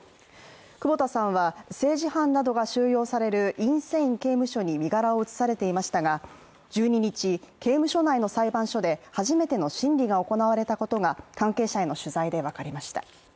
久保田さんは、政治犯などが収容されるインセイン刑務所に身柄を移されていましたが１２日、刑務所内の裁判所で初めての審理が行われたことが関係者への取材で分かりました。